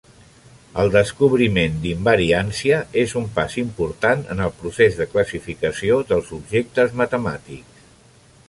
El descobriment d'invariància és un pas important en el procés de classificació dels objectes matemàtics.